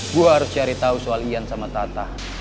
gua harus cari tau soal ian sama tata